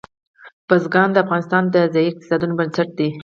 بزګان د افغانستان د ځایي اقتصادونو بنسټ دی.